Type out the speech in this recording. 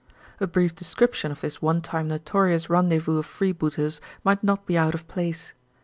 A brief description of this one time notorious rendezvous of freebooters might not be out of place.